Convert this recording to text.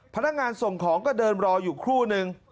พนักงานส่งของก็เดินรออยู่ครู่นึง